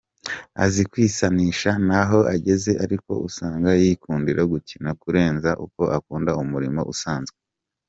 Azi kwisanisha naho ageze ariko usanga yikundira gukina kurenza uko akunda umurimo usanzwe.